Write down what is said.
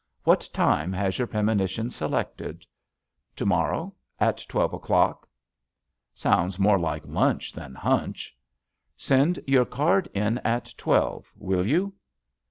What time has your premonition selected?" "To morrow at twelve o'clock." "Sounds more like lunch than hunch." "Send your card in at twelve. Will you?"